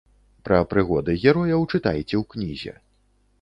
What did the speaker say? Пра прыгоды герояў чытайце ў кнізе.